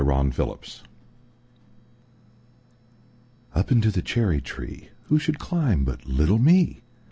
Foreign Lands UP into the cherry treeWho should climb but little me?